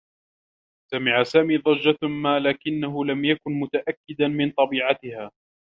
سمع سامي ضجّة ما لكنّه لم يكن متأكّدا من طبيعتها.